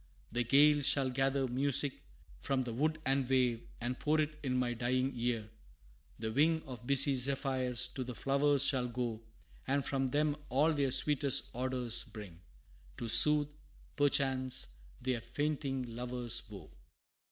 The gale Shall gather music from the wood and wave, And pour it in my dying ear; the wing Of busy zephyrs to the flowers shall go, And from them all their sweetest odors bring, To soothe, perchance, their fainting lover's woe.